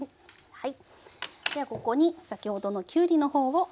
はい。